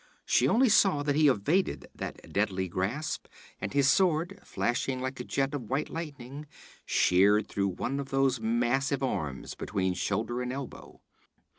She only saw that he evaded that deadly grasp, and his sword, flashing like a jet of white lightning, sheared through one of those massive arms between shoulder and elbow.